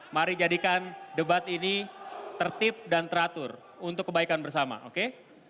mari jadikan debat ini tertib dan teratur untuk kebaikan bersama oke